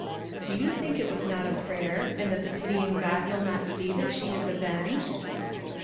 Do you think it vras not a prayer, and that the pitying God will not see that she is avenged?